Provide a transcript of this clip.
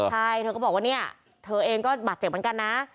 ใช่เธอก็บอกว่าเนี่ยเธอเองก็บาดเจ็บเหมือนกันนะ